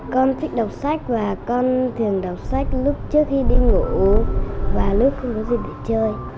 con thích đọc sách và con thường đọc sách lúc trước khi đi ngủ và lúc không có gì để chơi